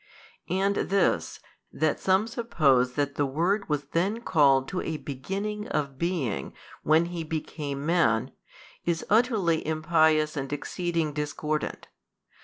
|218 And this, that some suppose that the Word was then called to a beginning of being when He became Man, is utterly impious and exceeding discordant.